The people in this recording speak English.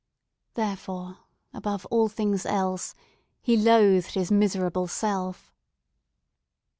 Therefore, above all things else, he loathed his miserable self!